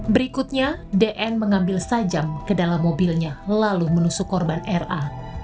berikutnya dn mengambil sajam ke dalam mobilnya lalu menusuk korban ra